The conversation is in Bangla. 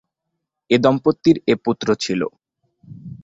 এ দম্পতির এ পুত্র ছিল।